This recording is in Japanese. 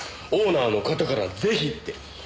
オーナーの方からぜひって。